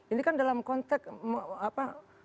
ini kan dalam konteks apa